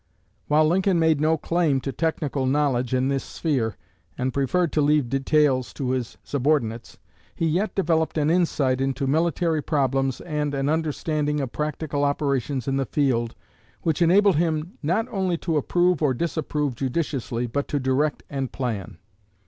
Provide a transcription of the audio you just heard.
While Lincoln made no claim to technical knowledge in this sphere, and preferred to leave details to his subordinates, he yet developed an insight into military problems and an understanding of practical operations in the field which enabled him not only to approve or disapprove judiciously, but to direct and plan.